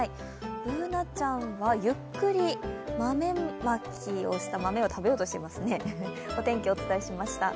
Ｂｏｏｎａちゃんは、ゆっくり豆まきをした豆を食べようとしていますね。